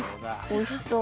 おいしそう。